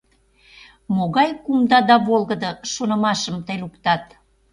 Могай кумда да волгыдо Шонымашым тый луктат.